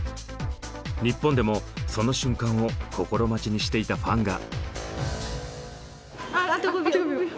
日本でもその瞬間を心待ちにしていたファンが。